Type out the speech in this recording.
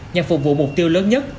nhà phục vụ mục tiêu lớn nhất